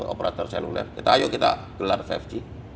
operator seluler kita ayo kita gelar lima g